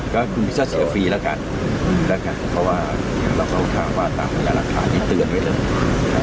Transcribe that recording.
ก็คุณพิชาเสียฟรีแล้วกันเพราะว่าเราถามว่าตามรายละครที่เตือนไว้แล้ว